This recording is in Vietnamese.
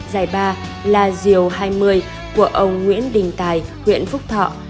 giải ba là diều hai mươi của ông nguyễn đình tài huyện phúc thọ